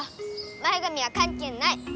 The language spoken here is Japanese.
前がみはかんけいない！